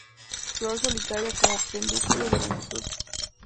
Flor solitaria, con pedúnculos de longitud.